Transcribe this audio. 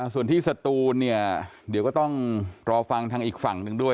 ส่วนที่สตูนเนี่ยเดี๋ยวก็ต้องรอฟังทางอีกฝั่งหนึ่งด้วย